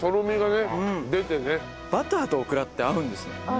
バターとオクラって合うんですね。